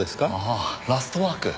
ああ『ラストワーク』。